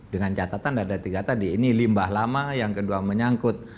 dengan catatan ada tiga tadi ini limbah lama yang kedua menyangkut